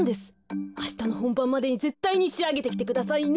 あしたのほんばんまでにぜったいにしあげてきてくださいね！